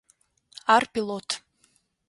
Ар пилот.